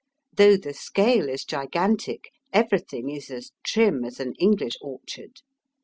Though the scale is gigantic, everything is as trim as an English orchard.